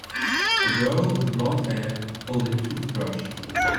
A girl with blondhair holding a toothbrush.